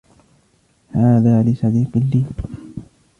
هذا لصديق لي.